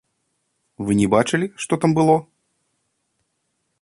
Вы не бачылі, што там было?